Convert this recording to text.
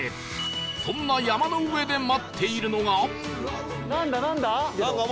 そんな山の上で待っているのが